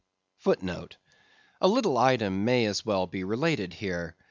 * *A little item may as well be related here.